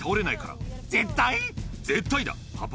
絶対だ。